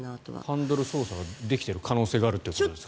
ハンドル操作ができている可能性があるということですよね。